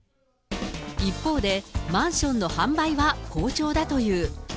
一方で、マンションの販売は好調だという。